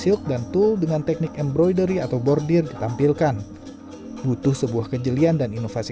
silk dan tool dengan teknik embroidary atau bordir ditampilkan butuh sebuah kejelian dan inovasi